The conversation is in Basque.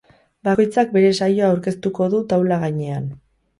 Bakoitzak bere saioa aurkeztuko du taula gainean.